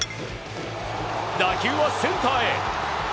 打球はセンターへ。